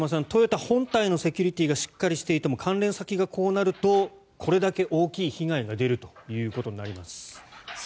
トヨタ本体のセキュリティーがしっかりしていても関連先がこうなるとこれだけ大きい被害が出るということになります。